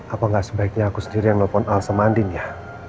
apa gak sebaiknya aku sendiri yang nelfon alsa mandi nih ya